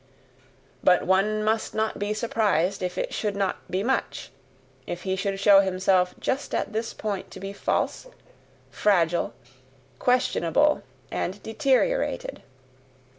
But one must not be surprised if it should not be much if he should show himself just at this point to be false, fragile, questionable, and deteriorated.